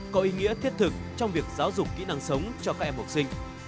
có ý nghĩa thiết thực trong việc giáo dục kỹ năng sống cho các em học sinh